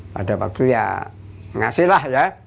pada waktu itu ya ngasih lah ya